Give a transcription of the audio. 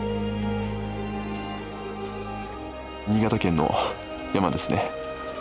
新潟県の山ですね。